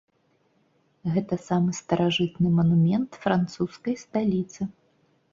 Гэта самы старажытны манумент французскай сталіцы.